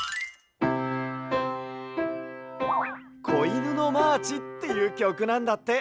「こいぬのマーチ」っていうきょくなんだって。